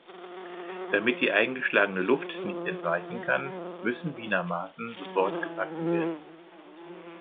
Damit die eingeschlagene Luft nicht entweichen kann, müssen Wiener Massen sofort gebacken werden.